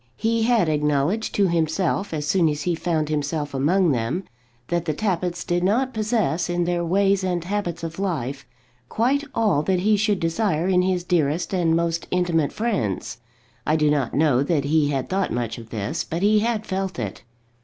He had acknowledged to himself, as soon as he found himself among them, that the Tappitts did not possess, in their ways and habits of life, quite all that he should desire in his dearest and most intimate friends. I do not know that he had thought much of this; but he had felt it.